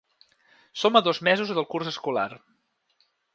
Som a dos mesos del curs escolar.